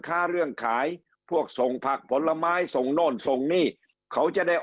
ค้าเรื่องขายพวกส่งผักผลไม้ส่งโน่นส่งนี่เขาจะได้